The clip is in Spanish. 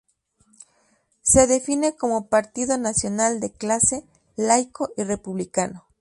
Se define como partido nacional, de clase, laico y republicano.